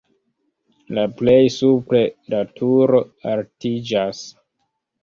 La plej supre la turo altiĝas.